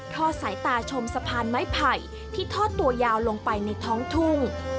อดสายตาชมสะพานไม้ไผ่ที่ทอดตัวยาวลงไปในท้องทุ่ง